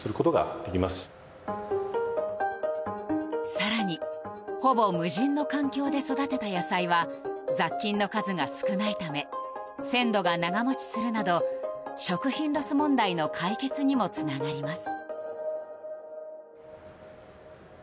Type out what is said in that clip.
更に、ほぼ無人の環境で育てた野菜は雑菌の数が少ないため鮮度が長持ちするなど食品ロス問題の解決にもつながります。